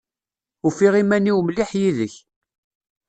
Ufiɣ uman-iw mliḥ yid-k.